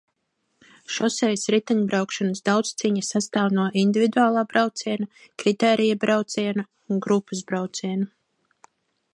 Šosejas riteņbraukšanas daudzcīņa sastāv no individuālā brauciena, kritērija brauciena un grupas brauciena.